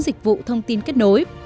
dịch vụ thông tin kết nối